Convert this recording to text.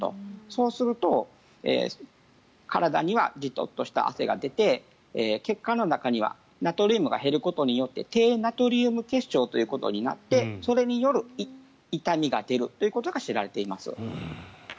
そうすると体にはジトッとした汗が出て血管の中にはナトリウムが減ることによって低ナトリウム血症ということになってそれによる痛みが出るということが知られています。